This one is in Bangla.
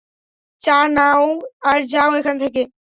চা নাও আর যাও এখান থেকে।